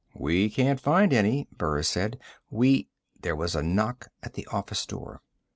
"We can't find any," Burris said. "We " There was a knock at the office door.